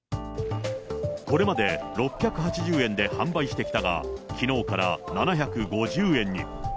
これまで６８０円で販売してきたが、きのうから７５０円に。